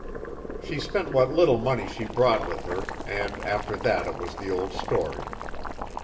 She spent what little money she brought with her and after that it was the old story.